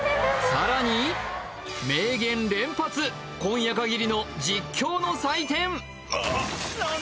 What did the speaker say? さらに名言連発今夜限りの実況の祭典